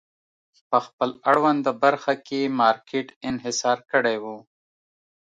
په خپل اړونده برخه کې مارکېټ انحصار کړی و.